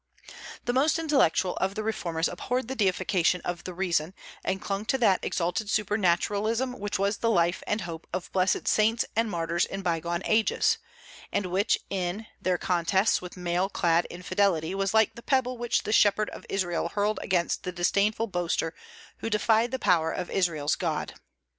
The most intellectual of the reformers abhorred the deification of the reason, and clung to that exalted supernaturalism which was the life and hope of blessed saints and martyrs in bygone ages, and which in "their contests with mail clad infidelity was like the pebble which the shepherd of Israel hurled against the disdainful boaster who defied the power of Israel's God."